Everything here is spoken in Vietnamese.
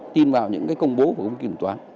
tin vào những công bố của công ty kiểm toán